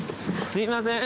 すいません。